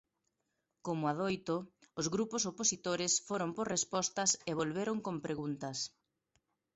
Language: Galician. Como adoito, os grupos opositores foron por respostas e volveron con preguntas.